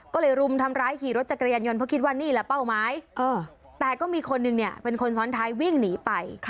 ก็เลยรุมทำร้ายขี่รถจักรยานยนต์เพราะคิดว่านี่แหละเป้าหมายแต่ก็มีคนหนึ่งเนี่ยเป็นคนซ้อนท้ายวิ่งหนีไป